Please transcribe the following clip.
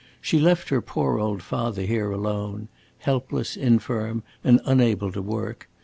She left her poor old father here alone helpless, infirm and unable to work.